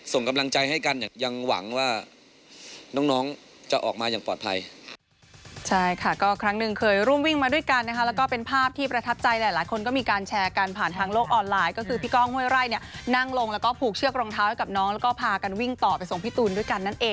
ส่งกำลังใจให้กันยังหวังว่าน้องจะออกมาอย่างปลอดภัย